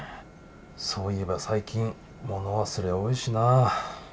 そういえば最近物忘れ多いしな。